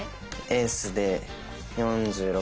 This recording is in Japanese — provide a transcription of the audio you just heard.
エースで４６？